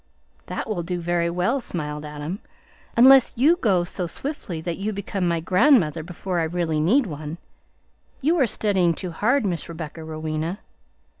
"That will do very well," smiled Adam; "unless you go so swiftly that you become my grandmother before I really need one. You are studying too hard, Miss Rebecca Rowena!"